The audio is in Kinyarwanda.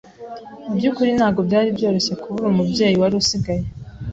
mu byukuri ntago byari byoroshye kubura umubyeyi wari usigaye